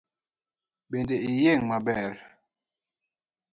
Bende iyieng’ maber?